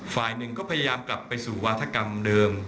ฝ่ายหนึ่งก็พยายามกลับไปสู่วาธกรรมเดิม